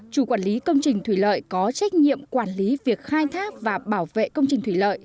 chủ quản lý công trình thủy lợi có trách nhiệm quản lý việc khai thác và bảo vệ công trình thủy lợi